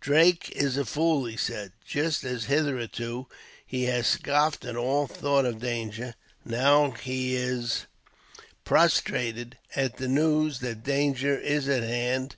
"Drake is a fool," he said. "Just as, hitherto, he has scoffed at all thought of danger, now he is prostrated at the news that danger is at hand.